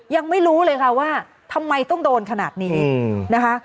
ยังไม่รู้เลยค่ะว่าทำไมต้องโดนขนาดนี้นะคะ